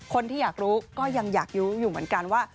คนที่อยากรู้ก็ยังอยากรู้อยู่เหมือนกันว่า